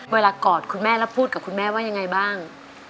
กอดคุณแม่แล้วพูดกับคุณแม่ว่ายังไงบ้าง